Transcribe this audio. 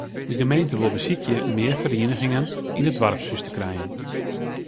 De gemeente wol besykje mear ferieningen yn it doarpshûs te krijen.